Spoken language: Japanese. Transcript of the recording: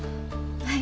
はい。